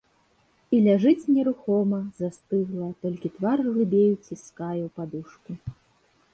І ляжыць нерухома, застыгла, толькі твар глыбей уціскае ў падушку.